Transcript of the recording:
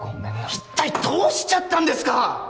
一体どうしちゃったんですか！